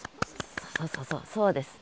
そうそうそうそうです。